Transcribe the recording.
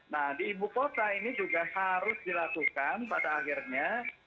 nah di ibu kota ini juga harus dilakukan pada akhirnya